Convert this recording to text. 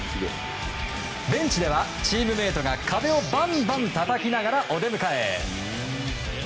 ベンチではチームメートが壁をバンバンたたきながらお出迎え。